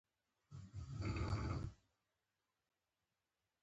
د اعدادو، ارقامو او نېټو د ښودلو لپاره لیکل کیږي.